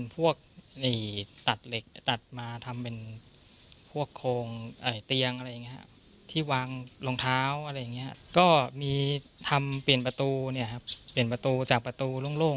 เปลี่ยนประตูจากประตูโล่ง